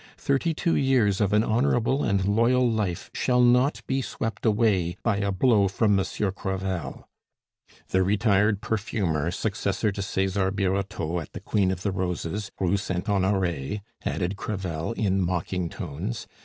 Thirty two years of an honorable and loyal life shall not be swept away by a blow from Monsieur Crevel " "The retired perfumer, successor to Cesar Birotteau at the Queen of the Roses, Rue Saint Honore," added Crevel, in mocking tones.